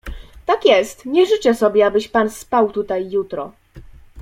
"Tak jest, nie życzę sobie, abyś pan spał tutaj jutro."